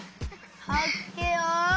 はっけよい。